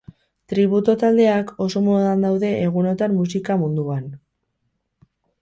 Tributo taldeak oso modan daude egunotan musika munduan.